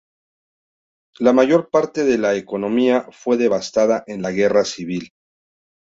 La mayor parte de la economía fue devastada en la guerra civil.